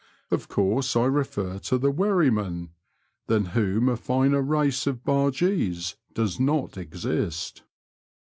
Of course I refer to the wherry men, than whom a finer race of bargees does not exist.